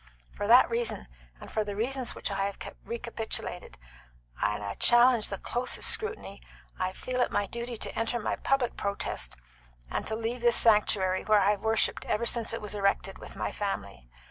For that reason, and for the reasons which I have recapitulated and I challenge the closest scrutiny I felt it my duty to enter my public protest and to leave this sanctuary, where I have worshipped ever since it was erected, with my family.